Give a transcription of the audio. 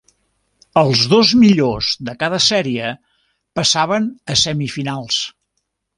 Els dos millors de cada sèrie passaven a semifinals.